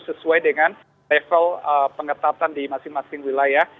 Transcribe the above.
sesuai dengan level pengetatan di masing masing wilayah